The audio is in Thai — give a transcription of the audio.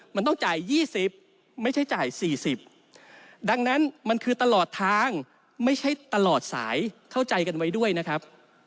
มันต้องจ่าย๒๐ไม่ใช่จ่าย๔๐ดังนั้นมันคือตลอดทางไม่ใช่ตลอดสายเข้าใจกันไว้ด้วยนะครับ